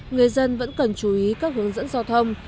người dân vẫn cần chú ý các hướng dẫn giao thông